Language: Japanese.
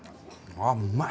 あうまい。